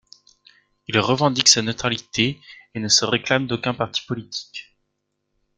Il revendique sa neutralité et ne se réclame d'aucun parti politique.